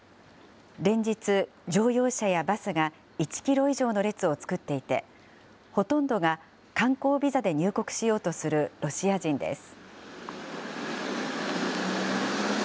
連日、乗用車やバスが１キロ以上の列を作っていて、ほとんどが観光ビザで入国しようとするロシア人です。